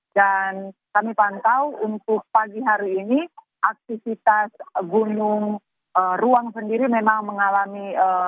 dan kami pantau untuk pagi hari ini aktivitas gunung ruang sendiri memang mengalami